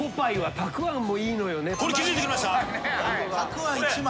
たくあん１枚。